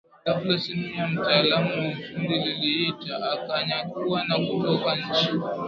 Ghafla simu ya mtaalamu wa ufundi iliita akanyanyuka na kutoka nje